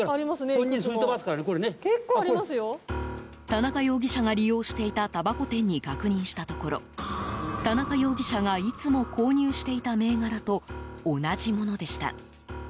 田中容疑者が利用していたたばこ店に確認したところ田中容疑者がいつも購入していた銘柄と同じものでした。